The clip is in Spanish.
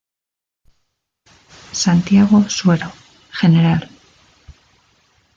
Santiago Suero, Gral.